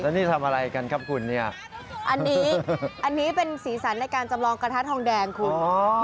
นี่ทำอะไรกันครับคุณเนี่ยอันนี้อันนี้เป็นสีสันในการจำลองกระทะทองแดงคุณ